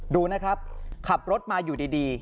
ดูนะครับขับรถมาอยู่ดี